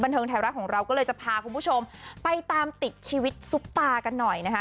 เทิงไทยรัฐของเราก็เลยจะพาคุณผู้ชมไปตามติดชีวิตซุปตากันหน่อยนะคะ